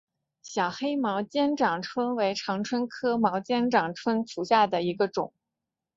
小黑毛肩长蝽为长蝽科毛肩长蝽属下的一个种。